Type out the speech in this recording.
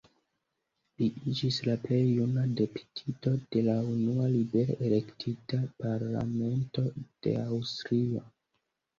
Li iĝis la plej juna deputito de la unua libere elektita parlamento de Aŭstrio.